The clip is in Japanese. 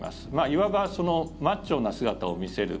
いわば、マッチョな姿を見せる。